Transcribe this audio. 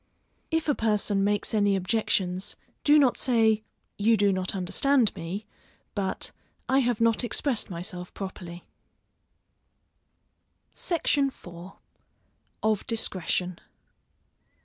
If a person makes any objections, do not say, You do not understand me, but, I have not expressed myself properly. SECTION IV. _Of Discretion.